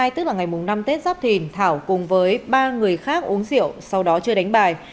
tức là ngày năm tết giáp thìn thảo cùng với ba người khác uống rượu sau đó chưa đánh bài